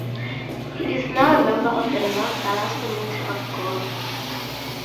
He is now a member of the North Dallas Community of God.